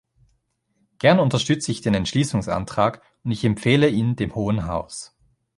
Gern unterstütze ich den Entschließungsantrag, und ich empfehle ihn dem Hohen Haus.